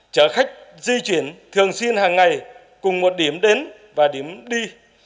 chở khách di chuyển thường xuyên hàng ngày cùng một điểm đến và điểm đi